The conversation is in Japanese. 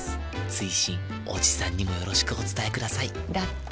追伸おじさんにもよろしくお伝えくださいだって。